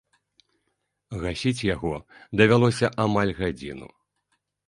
Гасіць яго давялося амаль гадзіну.